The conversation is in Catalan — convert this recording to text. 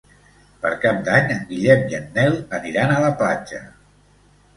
Per Cap d'Any en Guillem i en Nel aniran a la platja.